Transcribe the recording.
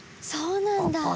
そうなんだ。